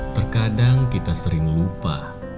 terkadang kita sering lupa